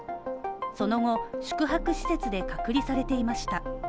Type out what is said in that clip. その後、宿泊施設で隔離されていました。